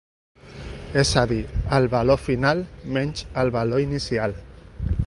És a dir el valor final menys el valor inicial.